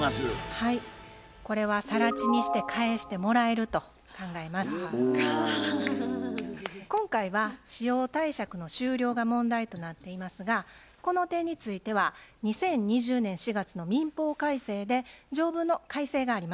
はいこれは更地にして今回は使用貸借の終了が問題となっていますがこの点については２０２０年４月の民法改正で条文の改正がありました。